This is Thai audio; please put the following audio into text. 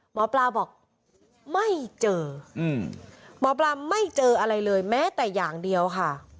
หมอปลาบอกไม่เจอหมอปลาไม่เจออะไรเลยแม้แต่อย่างเดียวค่ะ